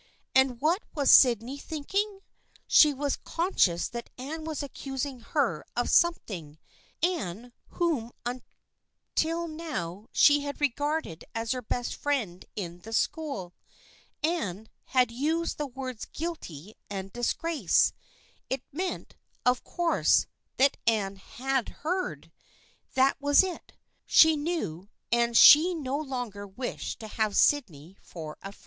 And what was Sydney thinking? She was conscious that Anne was accusing her of something, Anne, whom until now she had regarded as her best friend in the school. Anne had used the words " guilty " and " disgrace." It meant, of course, that Anne had heard I That was it. She knew, and she no longer wished to have Sydney for a friend.